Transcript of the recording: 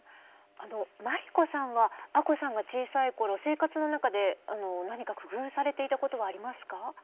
真理子さんは亜子さんが小さい頃生活の中で何か工夫されていたことはありますか？